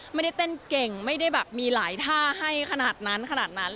ไม่ได้เต้นเก่งไม่ได้แบบมีหลายท่าให้ขนาดนั้นขนาดนั้น